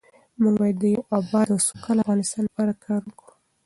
موږ باید د یو اباد او سوکاله افغانستان لپاره کار وکړو.